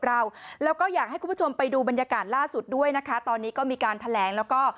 เราแล้วก็อยากให้คุณผู้ชมไปดูบรรยากาศล่าสุดด้วยนะคะตอนนี้ก็มีการแถลงแล้วก็